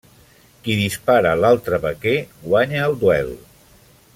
Qui dispara l'altre vaquer guanya el duel.